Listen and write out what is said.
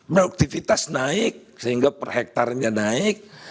produktivitas naik sehingga per hektarnya naik